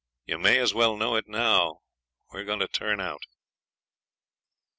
You may as well know it now, we're going to "turn out".'